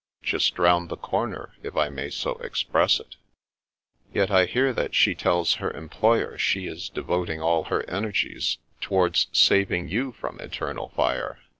*'" Just round the comer, if I may so express it" " Yet I hear that she tells her employer she is de voting all her energies towards saving you from eternal fire.